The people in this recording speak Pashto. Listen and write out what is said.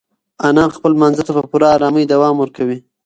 انا خپل لمانځه ته په پوره ارامۍ دوام ورکوي.